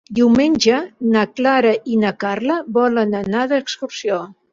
Diumenge na Clara i na Carla volen anar d'excursió.